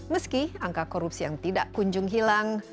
meski angka korupsi yang tidak kunjung hilang